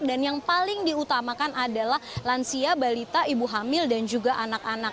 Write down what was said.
dan yang paling diutamakan adalah lansia balita ibu hamil dan juga anak anak